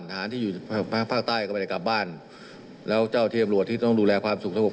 ทหารที่อยู่ภาคใต้ก็ไม่ได้กลับบ้านแล้วเจ้าที่ตำรวจที่ต้องดูแลความสุขสงบ